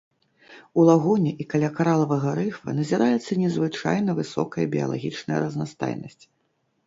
У лагуне і каля каралавага рыфа назіраецца незвычайна высокая біялагічная разнастайнасць.